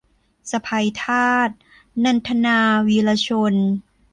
สะใภ้ทาส - นันทนา วีระชน